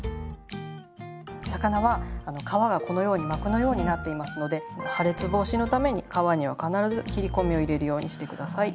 魚は皮がこのように膜のようになっていますので破裂防止のために皮には必ず切り込みを入れるようにして下さい。